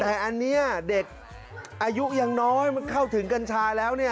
แต่อันนี้เด็กอายุยังน้อยเข้าถึงกัญชาแล้ว